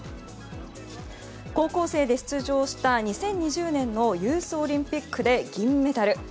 高校生で出場した２０２０年のユースオリンピック銀メダル。